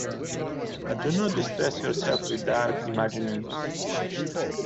But do not distress yourself with dark imaginings.